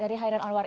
dari hairi lanuar